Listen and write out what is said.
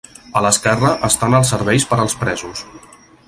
A l'esquerra estan els serveis per als presos.